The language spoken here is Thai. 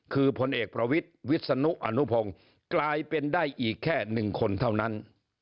คือพลเอกประวิทย์วิศนุอนุพงศ์กลายเป็นได้อีกแค่๑คนเท่านั้น